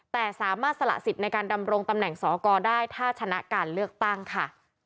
แต่สามารถสละสิทธิ์ในการดำรงตำแหน่งสอกรได้ถ้าชนะการเลือกตั้งค่ะ